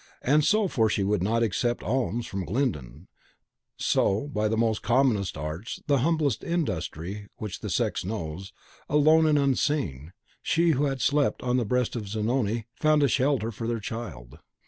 And so for she would not accept alms from Glyndon so, by the commonest arts, the humblest industry which the sex knows, alone and unseen, she who had slept on the breast of Zanoni found a shelter for their child.